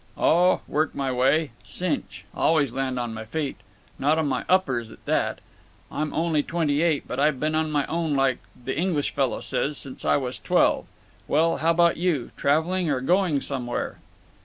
"Oh, work m' way. Cinch. Always land on my feet. Not on my uppers, at that. I'm only twenty eight, but I've been on my own, like the English fellow says, since I was twelve…. Well, how about you? Traveling or going somewhere?"